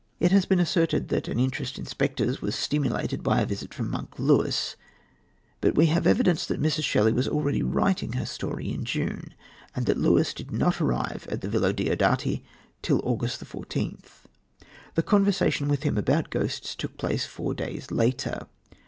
It has been asserted that an interest in spectres was stimulated by a visit from "Monk" Lewis, but we have evidence that Mrs. Shelley was already writing her story in June, and that Lewis did not arrive at the Villa Diodati till August 14th. The conversation with him about ghosts took place four days later.